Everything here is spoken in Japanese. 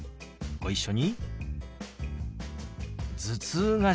ご一緒に。